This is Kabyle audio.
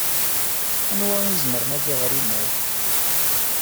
Anwa ay izemren ad iɣer imal?